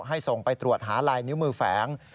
ส่งไปตรวจหาลายนิ้วมือแฝง